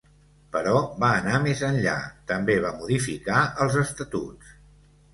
Però va anar més enllà: també va modificar els estatuts.